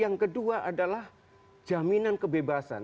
yang kedua adalah jaminan kebebasan